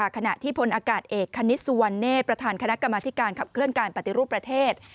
ขณะที่พลอากาศเอกคณิตสุวรรณเนธประธานคณะกรรมธิการขับเคลื่อนการปฏิรูปประเทศ